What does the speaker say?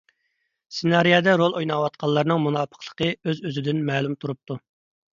سېنارىيەدە رول ئويناۋاتقانلارنىڭ مۇناپىقلىقى ئۆز ئۆزىدىن مەلۇم تۇرۇپتۇ.